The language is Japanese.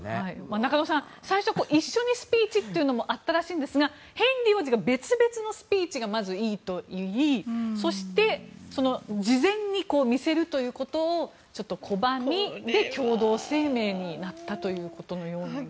中野さん、最初は一緒にスピーチというのもあったそうですがヘンリー王子が別々のスピーチがいいと言いそしてその事前に見せるということを拒んで、共同声明になったということのようです。